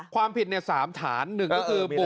ความผิดเนี่ยสามฐานหนึ่งก็คือ